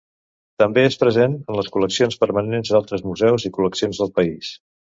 També és present en les col·leccions permanents d'altres museus i col·leccions del país.